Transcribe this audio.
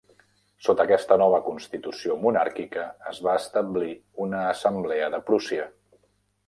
Sota aquesta nova constitució monàrquica, es va establir una Assemblea de Prússia.